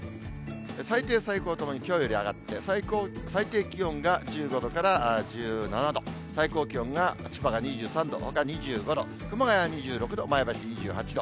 最低、最高ともにきょうより上がって、最低気温が１５度から１７度、最高気温が千葉が２３度、ほか２５度、熊谷２６度、前橋２８度。